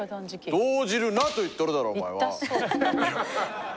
動じるなと言っとるだろお前は！